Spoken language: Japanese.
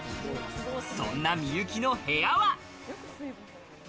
そんな幸の部屋は。